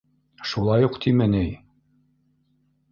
Шулай уҡ тиме ни?!